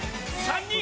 ３人！